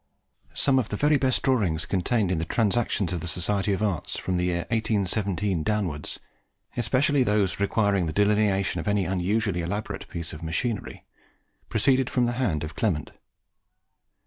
Some of the very best drawings contained in the Transactions of the Society of Arts, from the year 1817 downwards, especially those requiring the delineation of any unusually elaborate piece of machinery, proceeded from the hand of Clement.